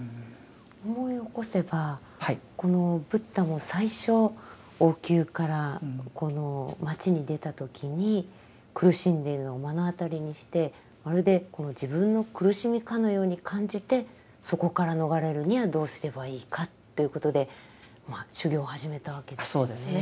思い起こせばこのブッダも最初王宮から町に出た時に苦しんでいるのを目の当たりにしてまるで自分の苦しみかのように感じてそこから逃れるにはどうすればいいかということで修行を始めたわけですよね。